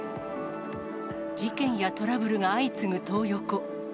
事件やトラブルが相次ぐトー横。